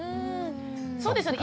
そうですよね。